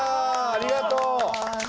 ありがとう。